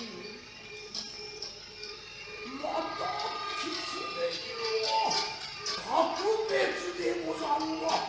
またキツネ色は格別でござるわ。